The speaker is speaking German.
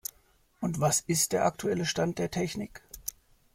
Und was ist der aktuelle Stand der Technik.